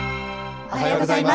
おはようございます。